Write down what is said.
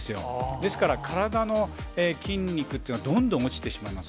ですから、体の筋肉っていうのはどんどん落ちてしまいます。